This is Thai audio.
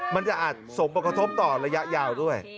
มันจะอาจสมประกอบระยะยาวด้วย